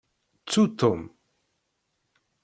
Ttu Tom.